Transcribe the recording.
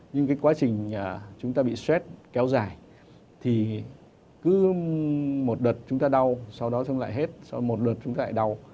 nhưng cái quá trình chúng ta bị stress kéo dài thì cứ một đợt chúng ta đau sau đó xong lại hết một đợt chúng ta lại đau